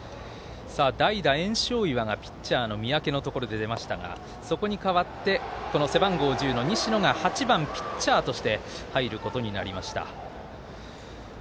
代打、焔硝岩が三宅のところで出ましたがそこに代わって背番号１０の西野が８番ピッチャーとして入ることになりました。